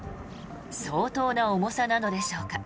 相当な重さなのでしょうか。